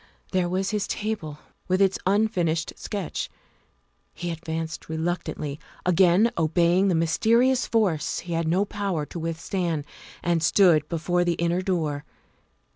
There was his table with its unfinished sketch; he ad vanced reluctantly, again obeying the mysterious force he had no power to withstand, and stood before the inner door.